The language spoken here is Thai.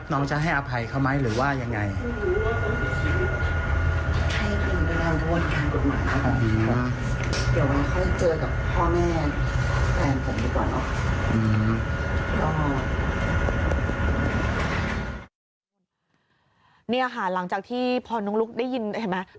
นี่ค่ะหลังจากที่พอน้องลุ๊กได้ยินเห็นไหม